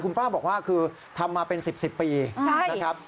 คุณป้าบอกว่าคือทำมาเป็นสิบสิบปีใช่นะครับ